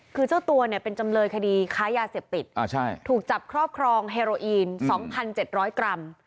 คือเจ้าตัวเนี่ยเป็นจำเลยคดีค้ายาเสพติดถูกจับครอบครองเฮโรอีน๒๗๐๐กรัม